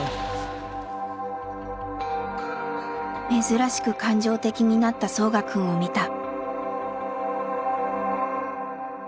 「珍しく感情的になったソウガくんを見た」。